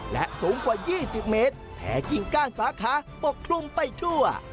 และสูงกว่า๒๐เมตรแท้ยิ่งก้านสาขาปกคลุมไปทั่ว